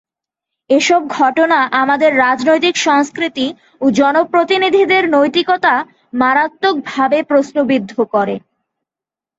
এসব ঘটনা আমাদের রাজনৈতিক সংস্কৃতি ও জনপ্রতিনিধিদের নৈতিকতা মারাত্মকভাবে প্রশ্নবিদ্ধ করে।